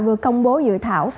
vừa công bố dự thảo